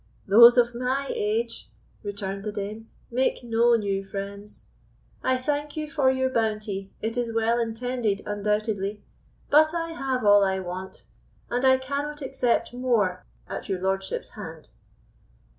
"Those of my age," returned the dame, "make no new friends. I thank you for your bounty, it is well intended undoubtedly; but I have all I want, and I cannot accept more at your lordship's hand."